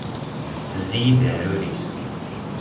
Tezzi-iyi-d aɛrur-is.